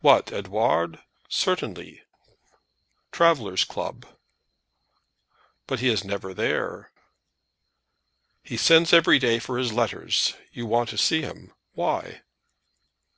"What? Edouard certainly; Travellers' Club." "But he is never there." "He sends every day for his letters. You want to see him. Why?"